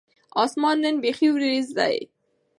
اسمان نن بیخي ور یځ دی